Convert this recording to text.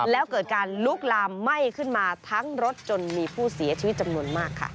แล้วเกิดการลุกลามไหม้ขึ้นมาทั้งรถจนมีผู้เสียชีวิตจำนวนมากค่ะ